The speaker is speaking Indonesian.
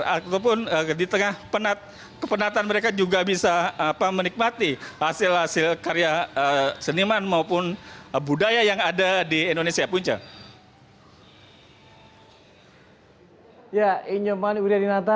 dan juga bisa menyegar ataupun di tengah kepenatan mereka juga bisa menikmati hasil hasil karya seniman maupun budaya yang ada di indonesia punca